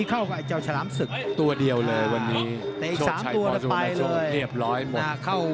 ครับครับครับครับครับครับครับครับครับครับครับ